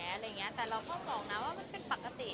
แต่เราก็บอกนะว่ามันเป็นปกติ